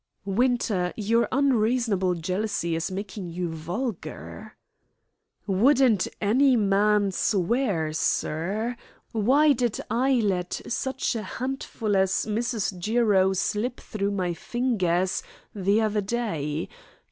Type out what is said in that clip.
"Winter, your unreasonable jealousy is making you vulgar." "Wouldn't any man swear, sir? Why did I let such a handful as Mrs. Jiro slip through my fingers the other day?